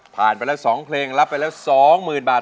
ไปแล้ว๒เพลงรับไปแล้ว๒๐๐๐บาท